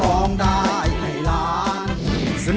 ร้องได้ให้ล้าน